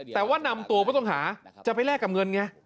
แต่ว่านำตัวผู้ต้องหาจะไปแลกกับเงินไง